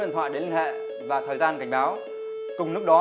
thời gian cảnh báo cùng lúc đó